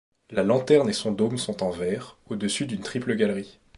La lanterne et son dôme sont en verre, au-dessus d'une triple galerie.